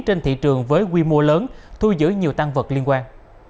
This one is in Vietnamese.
trên thị trường với quy mô lớn thu giữ nhiều tăng vật liên quan